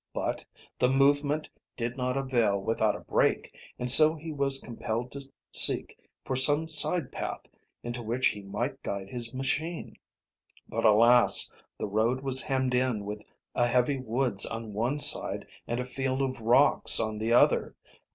But the movement did not avail without a brake, and so he was compelled to seek for some side path into which he might guide his machine. But, alas! the road was hemmed in with a heavy woods on one side and a field of rocks on the other.